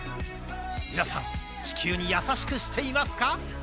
皆さん、地球にやさしくしていますか？